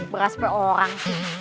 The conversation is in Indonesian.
beras per orang